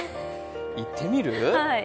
いってみる？